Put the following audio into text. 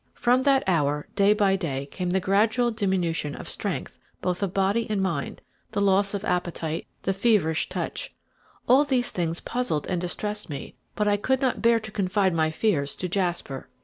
From that hour day by day came the gradual diminution of strength both of mind and body, the loss of appetite, the feverish touch. All these things puzzled and distressed me, but I could not bear to confide my fears to Jasper.